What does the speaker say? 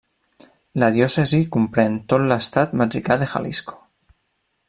La diòcesi comprèn tot l'estat mexicà de Jalisco.